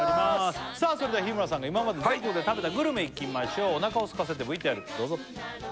さあそれでは日村さんが今まで全国で食べたグルメいきましょうお腹をすかせてＶＴＲどうぞ！